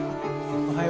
おはよう。